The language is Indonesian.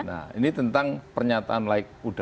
nah ini tentang pernyataan laik udara